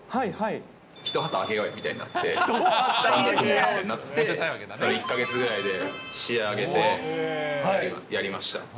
ひと旗揚げようみたいになって、バンド組むことになって、１か月ぐらいで仕上げて、やりました。